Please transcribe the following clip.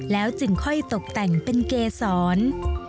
แล้วจึงค่อยตกแต่งเป็นเกษร